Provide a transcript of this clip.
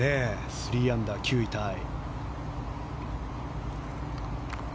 ３アンダー、９位タイ。